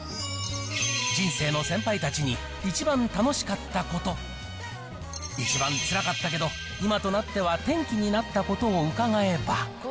人生の先輩たちに一番楽しかったこと、一番つらかったけど、今となっては転機となったことを伺えば。